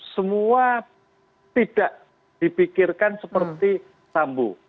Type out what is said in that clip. semua tidak dipikirkan seperti sambo